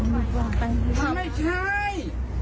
ไม่ใช่